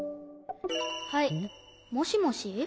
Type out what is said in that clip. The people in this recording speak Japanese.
はいもしもし？